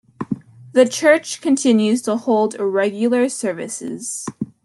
The church continues to hold regular services.